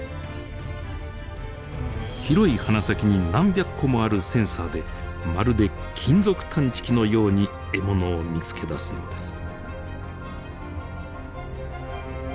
広い鼻先に何百個もあるセンサーでまるで金属探知機のように獲物を見つけ出すのです。